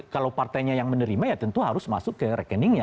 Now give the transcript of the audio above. kalau partainya yang menerima ya tentu harus masuk ke rekeningnya